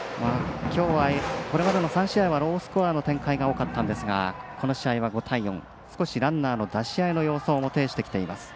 これまでは３試合、ロースコアの展開が多かったんですがこの試合は５対４、少しランナーの出し合いの様子が見られます。